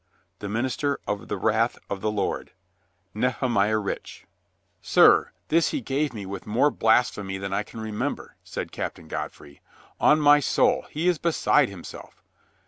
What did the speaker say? The minister of the wrath of the Lord, Nehemiah Rich. "Sir, this he gave me with more blasphemy than I can remember," said Captain Godfrey. "On my soul, he is beside himself.